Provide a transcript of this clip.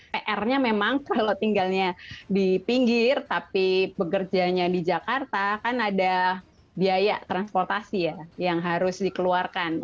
pr nya memang kalau tinggalnya di pinggir tapi bekerjanya di jakarta kan ada biaya transportasi ya yang harus dikeluarkan